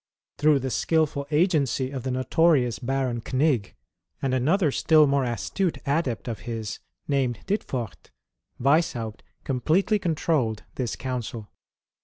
Through the skilful agency of the notorious Baron Knigg, and another still more astute adept of his, named Dittfort, Wieshaupt completely controlled tliis Council.